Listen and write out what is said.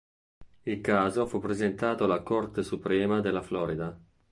Il caso fu presentato alla Corte Suprema della Florida.